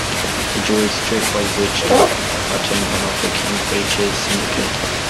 He drew his "Strictly Richter" cartoon panel for King Features Syndicate.